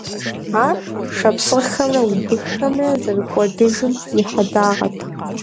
Ар шапсыгъхэмрэ убыххэмрэ зэрыкӀуэдыжым и хьэдагъэт.